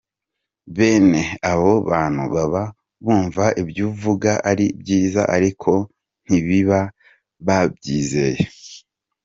Bene abo bantu baba bumva ibyuvuga ari byiza ariko ntibaba babyizeye.